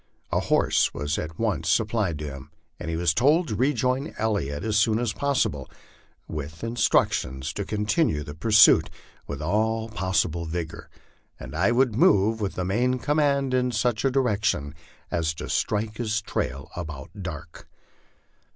A horse was at once sup plied him, and he was told to rejoin Elliot as soon as possible, with instructions to continue the pursuit with all possible vigor, and I would move with the main command in such direction as to strike his trail about dark.